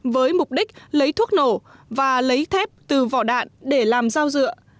với mục đích lấy thuốc nổ và lấy thép từ vỏ đạn để làm dao dựa